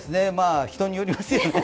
人によりますよね。